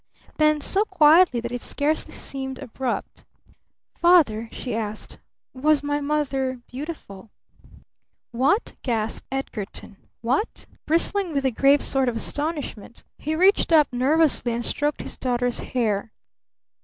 Then so quietly that it scarcely seemed abrupt, "Father," she asked, "was my mother beautiful?" "What?" gasped Edgarton. "What?" Bristling with a grave sort of astonishment he reached up nervously and stroked his daughter's hair.